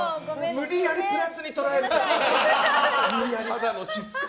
無理やりプラスに捉える。